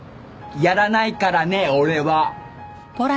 やらないからね俺は！